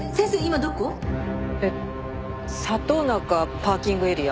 里中パーキングエリア。